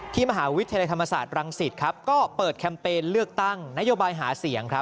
มหาวิทยาลัยธรรมศาสตร์รังสิตครับก็เปิดแคมเปญเลือกตั้งนโยบายหาเสียงครับ